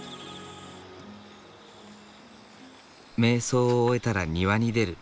瞑想を終えたら庭に出る。